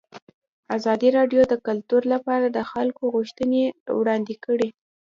ازادي راډیو د کلتور لپاره د خلکو غوښتنې وړاندې کړي.